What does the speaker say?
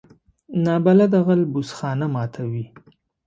نابلده غل بوس خانه ماتوي